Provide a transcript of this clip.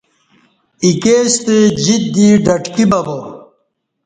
ایکے ستہ جیت دی ڈٹکی ببا